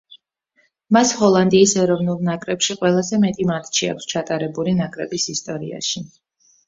მას ჰოლანდიის ეროვნულ ნაკრებში ყველაზე მეტი მატჩი აქვს ჩატარებული ნაკრების ისტორიაში.